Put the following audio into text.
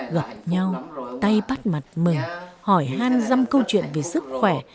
gặp nhau tay bắt mặt mừng hỏi han dăm câu chuyện về sức khỏe